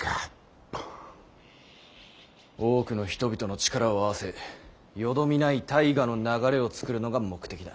多くの人々の力を合わせよどみない大河の流れを作るのが目的だ。